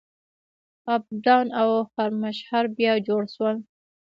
ابادان او خرمشهر بیا جوړ شول.